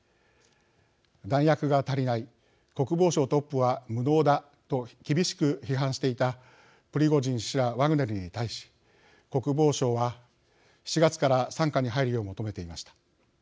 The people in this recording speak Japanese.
「弾薬が足りない」「国防省トップは無能だ」と厳しく批判していたプリゴジン氏らワグネルに対し国防省は７月から傘下に入るよう求めていました。